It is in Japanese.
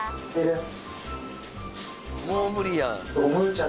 もう無理やん。